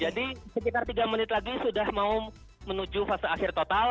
jadi sekitar tiga menit lagi sudah mau menuju fase akhir total